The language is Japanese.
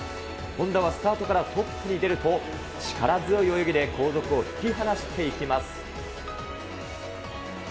本多はスタートからトップに出ると、力強い泳ぎで後続を引き離していきます。